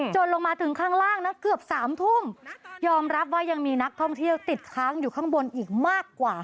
ลงมาถึงข้างล่างนะเกือบ๓ทุ่มยอมรับว่ายังมีนักท่องเที่ยวติดค้างอยู่ข้างบนอีกมากกว่า